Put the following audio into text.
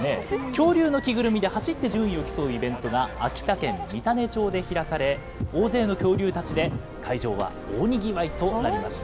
恐竜の着ぐるみで走って順位を競うイベントが秋田県三種町で開かれ、大勢の恐竜たちで会場は大にぎわいとなりました。